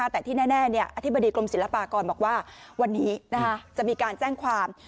แต่ที่แน่อธิบดีกรมศิลปากรบอกว่าวันนี้จะมีการแจ้งความ